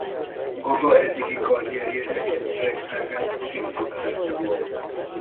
Gaga eddigi karrierjének egyik legdrágább hét koncertje volt.